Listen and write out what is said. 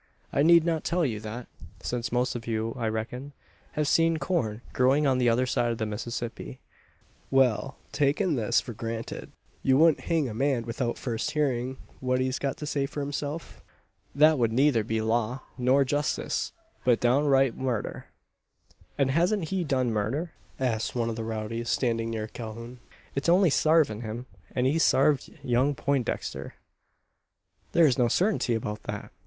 I need not tell you that, since most of you, I reckon, have seen corn growing on the other side of the Mississippi. Well, taking this for granted, you wouldn't hang a man without first hearing what he's got to say for himself? That would neither be law, nor justice, but downright murder!" "And hasn't he done murder?" asks one of the rowdies standing near Calhoun. "It's only sarvin' him, as he sarved young Poindexter." "There is no certainty about that.